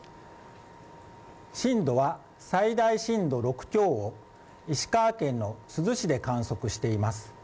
震度は最大震度６強を石川県珠洲市で観測しています。